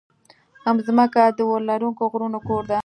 مځکه د اورلرونکو غرونو کور ده.